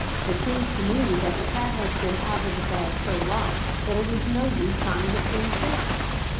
It seems to me that the cat has been out of the bag so long that it is no use tying the strings now.